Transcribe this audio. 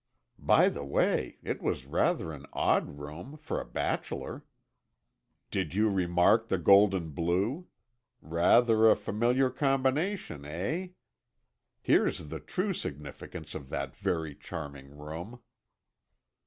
"By the way, it was rather an odd room for a bachelor." "Did you remark the gold and blue? Rather a familiar combination, eh? Here's the true significance of that very charming room."